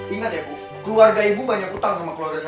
ingat ya bu keluarga ibu banyak utang sama keluarga saya